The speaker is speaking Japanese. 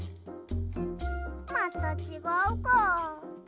またちがうか。